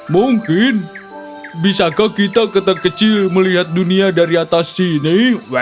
mungkin bisakah kita kata kecil melihat dunia dari atas sini